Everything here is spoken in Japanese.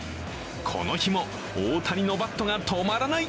この日も大谷のバットが止まらない。